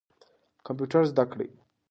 کمپیوټر زده کړئ.